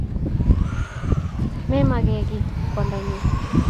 Memeke kiy kwongdonyu.